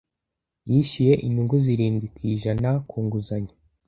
Yishyuye inyungu zirindwi ku ijana ku nguzanyo.